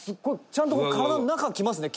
ちゃんと体の中きますね